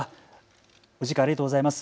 お時間ありがとうございます。